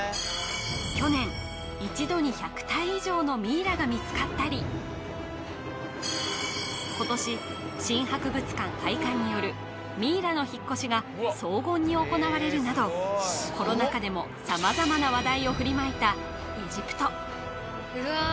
去年一度に１００体以上のミイラが見つかったり今年新博物館開館によるミイラの引っ越しが荘厳に行われるなどコロナ禍でも様々な話題を振りまいたエジプト